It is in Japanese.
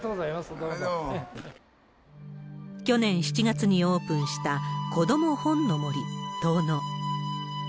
去年７月にオープンしたこども本の森遠野。